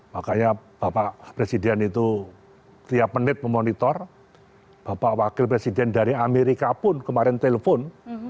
makanya bapak presiden itu tiap menit memonitor bapak wakil presiden dari amerika pun kemarin telepon